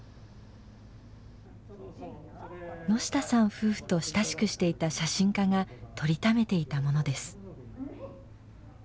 夫婦と親しくしていた写真家が撮りためていたものです。